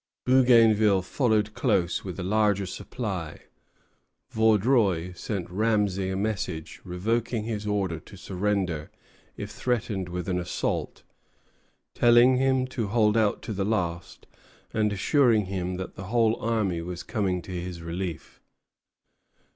Bougainville followed close with a larger supply. Vaudreuil sent Ramesay a message, revoking his order to surrender if threatened with assault, telling him to hold out to the last, and assuring him that the whole army was coming to his relief.